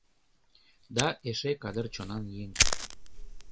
Да эше кадыр чонан еҥ.